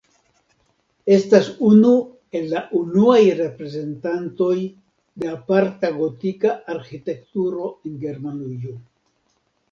Estas unu el la unuaj reprezentantoj de aparta gotika arĥitekturo en Germanujo.